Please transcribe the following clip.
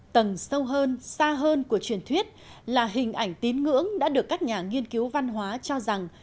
tầng sâu hơn xa hơn của truyền thuyết là hình ảnh tín ngưỡng đã được các nhà nghiên cứu văn hóa cho rằng